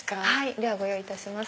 ではご用意いたします。